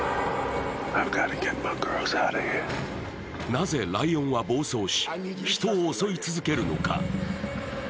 なぜライオンは暴走し、人を襲い続けるのか。